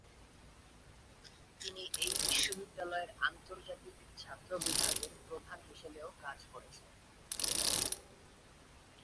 তিনি এই বিশ্ববিদ্যালয়ের আন্তর্জাতিক ছাত্র বিভাগের প্রধান হিসাবেও কাজ করেছেন।